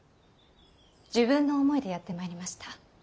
自分の思いでやって参りました。